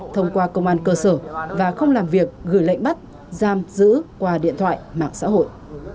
thông qua công an cơ sở và không làm việc gửi lệnh bắt giam giữ qua điện thoại mạng xã hội